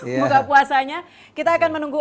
buka puasanya kita akan menunggu